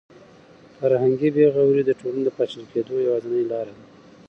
فرهنګي بې غوري د ټولنې د پاشل کېدو یوازینۍ لاره ده.